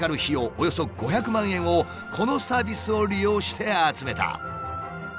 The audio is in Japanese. およそ５００万円をこのサービスを利用して集めた。